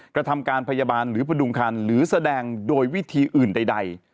กระทำการพยาบาลหรือพดุงคันหรือแสดงโดยวิธีอื่นใด